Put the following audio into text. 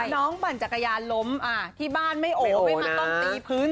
น้องปั่นจักรยารล้มที่บ้านไม่โอ้วโอ้วอู้วไม่ต้องตีพื้น